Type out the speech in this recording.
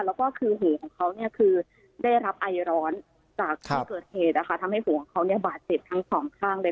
แล้วก็คือหูของเขาเนี่ยคือได้รับไอร้อนจากที่เกิดเหตุนะคะทำให้หูของเขาเนี่ยบาดเจ็บทั้งสองข้างเลย